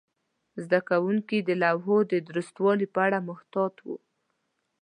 زده کوونکي د لوحو د درستوالي په اړه محتاط وو.